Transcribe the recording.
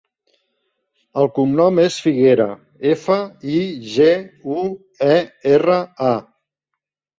El cognom és Figuera: efa, i, ge, u, e, erra, a.